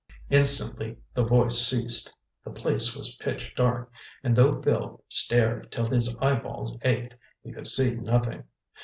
Instantly the voice ceased. The place was pitch dark, and though Bill stared till his eye balls ached, he could see nothing.